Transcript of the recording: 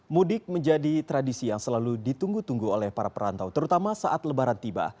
mudik menjadi tradisi yang selalu ditunggu tunggu oleh para perantau terutama saat lebaran tiba